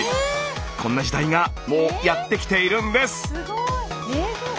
こんな時代がもうやって来ているんです！